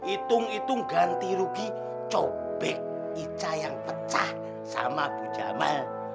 itung itung ganti rugi cobek ica yang pecah sama bu jamal